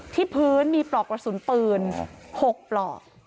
พื้นมีปลอกกระสุนปืน๖ปลอก